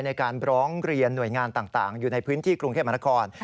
ในการร้องเรียนหน่วยงานต่างอยู่ในพื้นที่กรุงเทพมหานคร